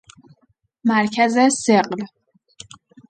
مرکز ثقل